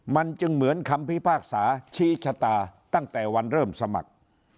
มันจึงเหมือนคำพิพากษาชี้ชะตาตั้งแต่วันเริ่มสมัคร